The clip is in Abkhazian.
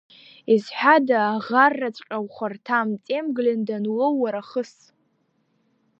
Изҳәада аӷарраҵәҟьа хәарҭам, Тем Глен дануоу уара хыс.